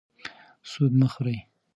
سود مه خورئ.